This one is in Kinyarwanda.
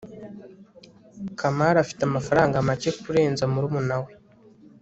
kamari afite amafaranga make kurenza murumuna we